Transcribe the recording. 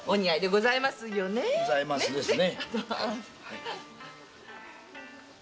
ございますですね。